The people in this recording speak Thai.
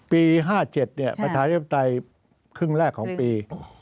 ปี๕๗ประชาธิปไตยครึ่งแรกของปี